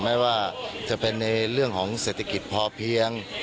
ไม่ว่าจะเป็นในเรื่องของเศรษฐกิจพอเพียง